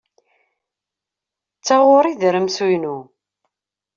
D taɣuri i d aramsu-inu.